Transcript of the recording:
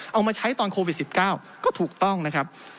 เอามาใช้ตอนโควิด๑๙ก็ถูกต้องนะครับ